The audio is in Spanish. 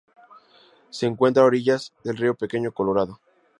Se encuentra a orillas del río Pequeño Colorado.